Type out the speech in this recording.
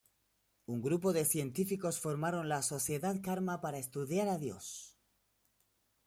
Un grupo de científicos formaron la Sociedad Karma para estudiar a Dios.